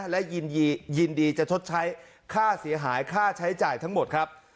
และยินดีจะชดใช้ค่าเสียหายค่าใช้จ่ายทั้งหมดครับ